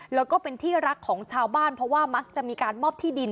แล้วก็เป็นที่รักของชาวบ้านเพราะว่ามักจะมีการมอบที่ดิน